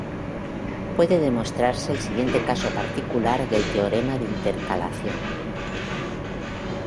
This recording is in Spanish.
Puede demostrarse el siguiente caso particular del teorema de intercalación.